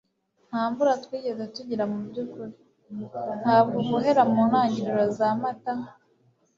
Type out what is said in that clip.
nta mvura twigeze tugira; mubyukuri, ntabwo guhera muntangiriro za mata